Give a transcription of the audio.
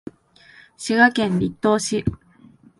滋賀県栗東市